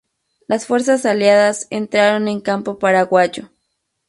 Las fuerzas aliadas entraron en campo paraguayo.